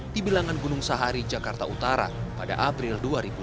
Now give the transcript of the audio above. di bilangan gunung sahari jakarta utara pada april dua ribu dua puluh